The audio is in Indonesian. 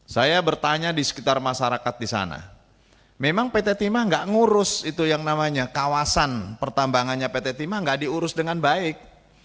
saya bertanya di sekitar masyarakat di sana memang pt timah nggak ngurus itu yang namanya kawasan pertambangannya pt timah nggak diurus dengan baik